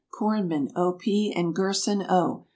CORNMAN, O. P., and GERSON, O.